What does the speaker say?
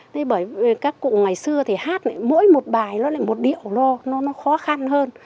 thế bởi các cụ ngày xưa thì hát mỗi một bài nó lại một điệu nó khó khăn hơn